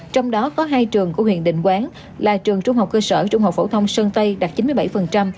trong đó có hai trường của huyện định quán là trường trung học cơ sở trung học phổ thông sơn tây đạt chín mươi bảy